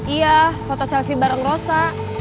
iya foto selfie bareng rosa